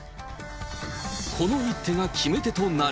この一手が決め手となり。